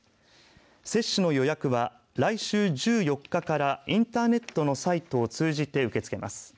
接種の予約は来週１４日からインターネットのサイトを通じて受け付けます。